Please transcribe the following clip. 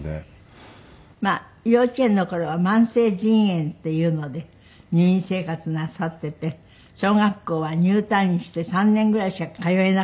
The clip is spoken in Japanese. まあ幼稚園の頃は慢性腎炎というので入院生活なさっていて小学校は入退院して３年ぐらいしか通えなかった。